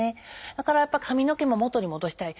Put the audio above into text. だからやっぱ髪の毛も元に戻したい。